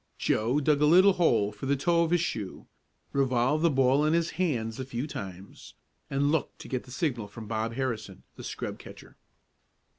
Joe dug a little hole for the toe of his shoe, revolved the ball in his hands a few times, and looked to get the signal from Bob Harrison, the scrub catcher.